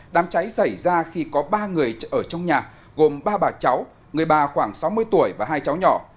đám cháy xảy ra khi có ba người ở trong nhà gồm ba bà cháu người bà khoảng sáu mươi tuổi và hai cháu nhỏ